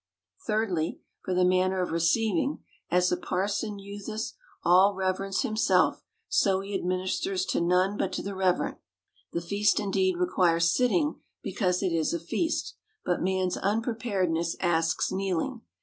— Thirdly, for the manner of receiving, as the parson useth all reverence himself, so he administers to none but to the reverent. The feast indeed requires sitting because it is a feast ; but man's unpreparedness asks kneeling.